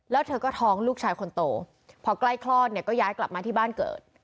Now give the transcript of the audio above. แล้วเธอก็ท้องลูกชายคนโตพอใกล้คลอดเนี่ยก็ย้ายกลับมาที่บ้านเกิด